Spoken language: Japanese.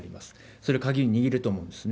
それが鍵握ると思うんですね。